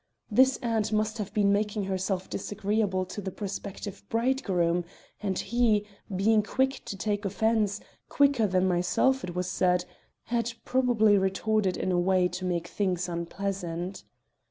This aunt must have been making herself disagreeable to the prospective bridegroom, and he, being quick to take offense, quicker than myself, it was said, had probably retorted in a way to make things unpleasant.